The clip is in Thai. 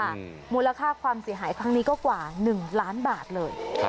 มูลค่าความเสียหายครั้งนี้ก็กว่าหนึ่งล้านบาทเลยครับ